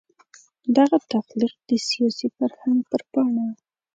دغه تخلیق د سیاسي فرهنګ پر پاڼه.